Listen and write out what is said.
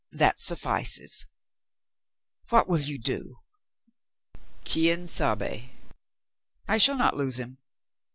"That suf fices." "What will you do?" "Quien sabe? I shall not lose him.